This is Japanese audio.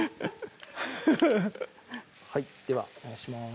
ハハハッはいではお願いします